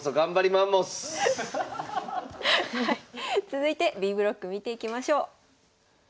続いてＢブロック見ていきましょう。